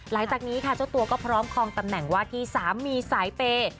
หลังจากนี้ค่ะเจ้าตัวก็พร้อมคองตำแหน่งว่าที่สามีสายเปย์